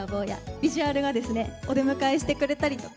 ビジュアルがですねお出迎えしてくれたりとか